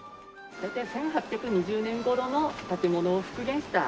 大体１８２０年頃の建物を復元した。